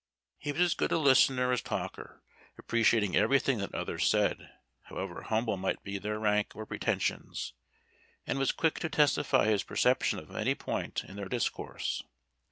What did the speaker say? He was as good a listener as talker, appreciating everything that others said, however humble might be their rank or pretensions, and was quick to testify his perception of any point in their discourse.